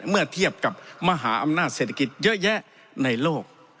เมื่อเทียบกับมหาอำนาจเศรษฐกิจเยอะแยะในโลก